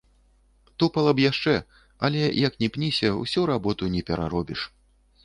Тупала б яшчэ, але як ні пніся, усю работу не пераробіш.